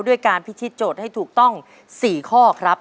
ด้วยการพิธีโจทย์ให้ถูกต้อง๔ข้อครับ